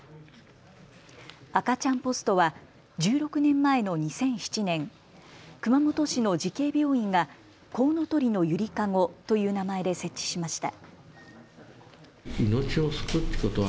赤ちゃんポストは１６年前の２００７年、熊本市の慈恵病院がこうのとりのゆりかごという名前で設置しました。